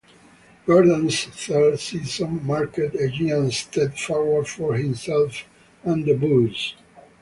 Gordon's third season marked a giant step forward for himself and the Bulls.